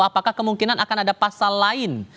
apakah kemungkinan akan ada pasal lain